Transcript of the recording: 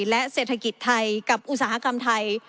และเศรษฐกิจไทยกับอุตสาหกรรมไทย